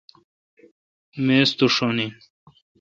میز تو ݭن این۔